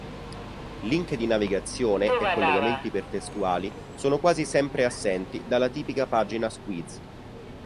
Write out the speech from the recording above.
Link di navigazione e collegamenti ipertestuali sono quasi sempre assenti dalla tipica pagina "squeeze".